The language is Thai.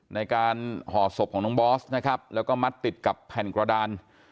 ห่อศพของน้องบอสนะครับแล้วก็มัดติดกับแผ่นกระดาน